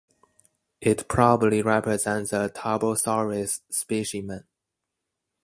It probably represents a "Tarbosaurus" specimen.